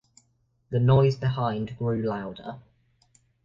The noise behind grew louder.